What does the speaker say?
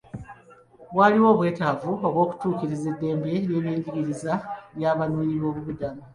Waliwo obwetaavu bw'okutuukiriza eddembe ly'ebyenjigiriza ery'abanoonyi boobubudamu.